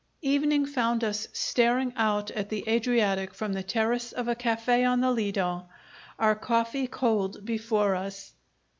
Evening found us staring out at the Adriatic from the terrace of a cafe' on the Ledo, our coffee cold before us.